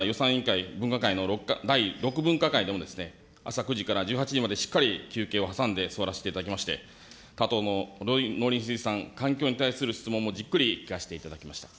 先週開かれました予算委員会分科会の第６分科会でも、朝９時から１８時まで、しっかり休憩を挟んで座らせていただきまして、他党の農林水産、環境に対する質問もじっくり聞かせていただきました。